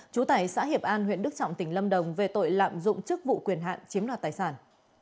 trú tại xã hiệp an huyện đức trọng tỉnh lâm đồng về tội lạm dụng chức vụ quyền hạn chiếm đoạt tài sản